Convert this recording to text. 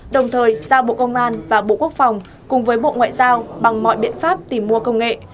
đồng thời ra bộ công an và bộ quốc phòng cùng với bộ ngoại giao bằng mọi biện pháp tìm mua công nghệ